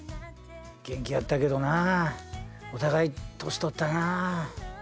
元気やったけどなお互い年とったな。